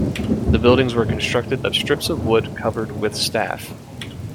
The buildings were constructed of strips of wood covered with staff.